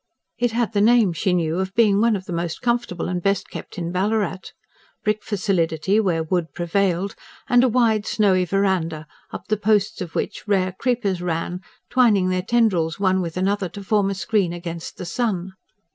It had the name, she knew, of being one of the most comfortable and best kept in Ballarat. Brick for solidity, where wood prevailed, with a wide snowy verandah up the posts of which rare creepers ran, twining their tendrils one with another to form a screen against the sun.